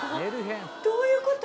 どういうこと？